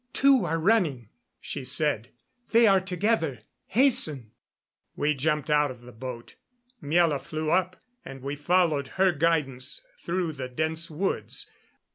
"Two are running," she said. "They are together. Hasten." We jumped out of the boat. Miela flew up, and we followed her guidance through the dense woods.